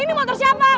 eh ini motor siapa